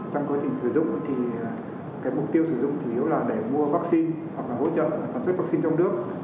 trong quá trình sử dụng thì cái mục tiêu sử dụng thì yếu là để mua vắc xin hoặc là hỗ trợ sản xuất vắc xin trong nước